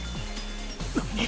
何！？